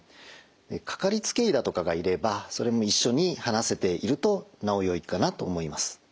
かかりつけ医だとかがいればそれも一緒に話せているとなおよいかなと思います。